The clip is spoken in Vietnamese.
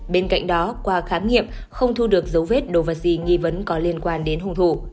bên cạnh đó qua khám nghiệm không thu được dấu vết đồ vật gì nghi vấn có liên quan đến hung thủ